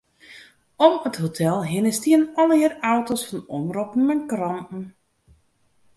Om it hotel hinne stiene allegearre auto's fan omroppen en kranten.